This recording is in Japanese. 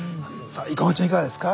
生駒ちゃんいかがですか？